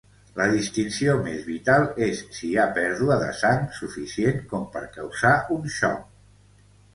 La distinció més vital és si hi ha pèrdua de sang suficient com per causar un xoc.